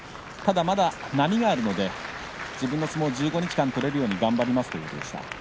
ただまだ波があるので自分の相撲を１５日間取れるように頑張りますと言っていました。